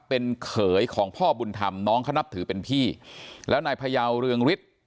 เป็นเขยของพ่อบุญธรรมน้องเขานับถือเป็นพี่แล้วนายพยาวเรืองฤทธิ์